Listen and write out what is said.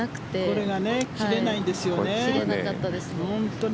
これが切れないんですよね、本当に。